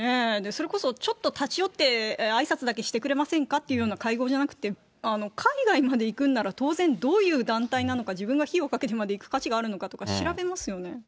それこそちょっと立ち寄ってあいさつだけしてくれませんかっていうような会合じゃなくて、海外まで行くんなら、当然どういう団体なのか、自分の費用をかけてまで行く価値があるのかって、調べますよね。